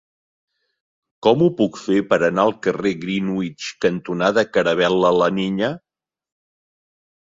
Com ho puc fer per anar al carrer Greenwich cantonada Caravel·la La Niña?